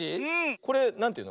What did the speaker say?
これなんていうの？